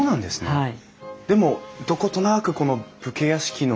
はい。